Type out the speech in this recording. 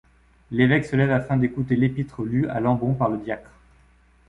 L'évêque se lève afin d'écouter l'épitre lue à l'ambon par le diacre.